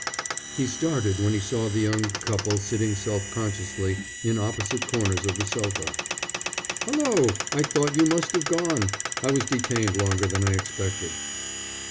He started when he saw the young couple sitting self consciously in opposite corners of the sofa. "Hulloa, I thought you must have gone! I was detained longer than I expected."